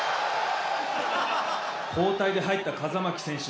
交代で入った風巻選手